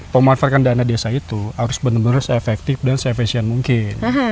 pemanfaatan dana desa itu harus benar benar se efektif dan se efesien mungkin